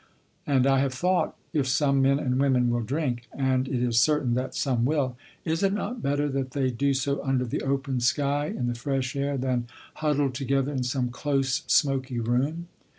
And I have thought, if some men and women will drink and it is certain that some will is it not better that they do so under the open sky, in the fresh air, than huddled together in some close, smoky room?